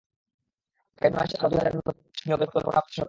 আগামী মাসে আরও দুই হাজার নতুন পুলিশ নিয়োগের পরিকল্পনা করছে সরকার।